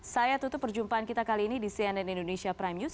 saya tutup perjumpaan kita kali ini di cnn indonesia prime news